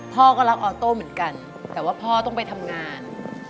พ่อก็รักออโต้เหมือนกันแต่ว่าพ่อต้องไปทำงาน